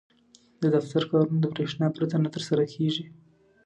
• د دفتر کارونه د برېښنا پرته نه ترسره کېږي.